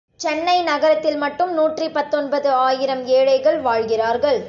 சென்னை நகரத்தில் மட்டும் நூற்றி பத்தொன்பது ஆயிரம் ஏழைகள் வாழ்கிறார்கள்.